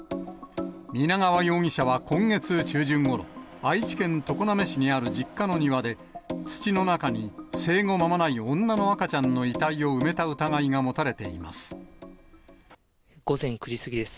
皆川容疑者は今月中旬ごろ、愛知県常滑市にある実家の庭で、土の中に生後間もない女の赤ちゃんの遺体を埋めた疑いが持たれて午前９時過ぎです。